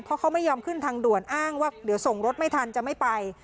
เพราะเขาไม่ยอมขึ้นทางด่วนอ้างว่าเดี๋ยวส่งรถไม่ทันจะไม่ไป